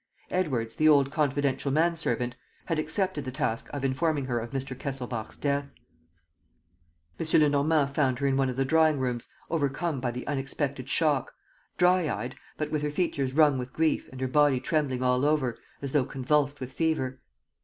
Edwards, the old confidential man servant, had accepted the task of informing her of Mr. Kesselbach's death. M. Lenormand found her in one of the drawing rooms, overcome by the unexpected shock, dry eyed, but with her features wrung with grief and her body trembling all over, as though convulsed with fever.